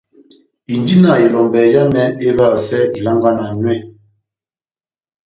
Indi na elombɛ yámɛ évahasɛ ilangwana nywɛ.